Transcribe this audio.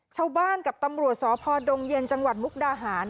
ชาวบ้านกับตำรวจสพดงเย็นจังหวัดมุกดาหาร